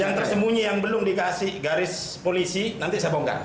yang tersembunyi yang belum dikasih garis polisi nanti saya bongkar